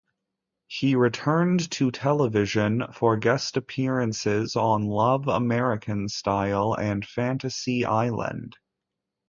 He returned to television for guest appearances on "Love, American Style" and "Fantasy Island".